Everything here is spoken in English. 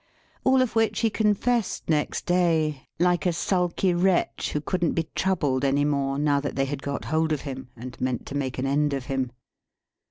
All of which he confessed next day, like a sulky wretch who couldn't be troubled any more, now that they had got hold of him, and meant to make an end of him.